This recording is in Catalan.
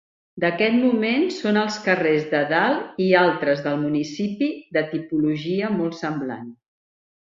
D'aquest moment són els carrers de Dalt i altres del municipi de tipologia molt semblant.